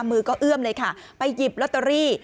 มือก็เอื้อมเลยค่ะไปหยิบลอตเตอรี่